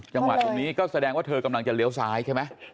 จังหวัดตรงนี้ก็แสดงว่าเธอกำลังจะเลี้ยวซ้ายใช่ไหม